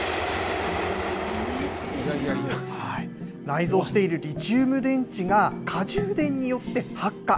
内蔵しているリチウム電池が、過充電によって発火。